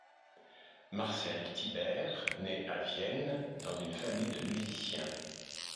Marcel Tyberg naît à Vienne, dans une famille de musiciens.